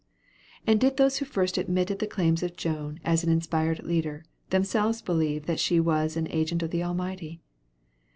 And did those who first admitted the claims of Joan as an inspired leader, themselves believe that she was an agent of the Almighty?